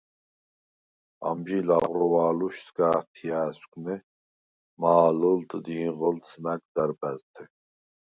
ამჟი ლაღროუ̂ა̄̈ლოშ სგ’ა̄თხჲა̄̈სგუ̂ნე მა̄ლჷლდდ ჟინღჷლდს მა̈გ დარბა̈ზთე.